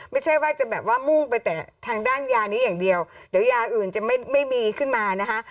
ไม่ใช่ว่าจะแบบว่ามุ่งไปแต่ทางด้านยานี้อย่างเดียวเดี๋ยวยาอื่นจะไม่มีขึ้นมานะคะ